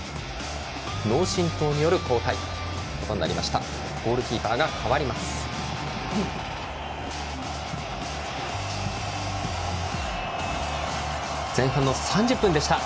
脳震とうによる交代となりました。